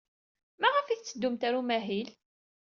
Maɣef ay tetteddumt ɣer umahil?